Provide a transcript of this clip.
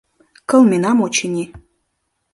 — Кылменам, очыни.